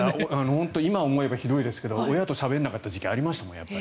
本当に今思えばひどいですが親としゃべらない時期ありましたもん。